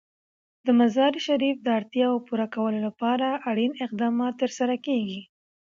د مزارشریف د اړتیاوو پوره کولو لپاره اړین اقدامات ترسره کېږي.